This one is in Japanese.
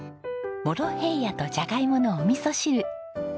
モロヘイヤとジャガイモのおみそ汁。